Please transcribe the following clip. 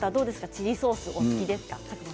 チリソースはお好きですか？